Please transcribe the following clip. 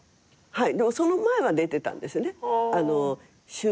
はい。